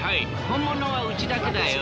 本物はうちだけだよ。